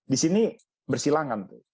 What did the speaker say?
di sini bersilangan